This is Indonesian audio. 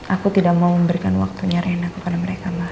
aku tidak mau memberikan waktunya rena kepada mereka mbak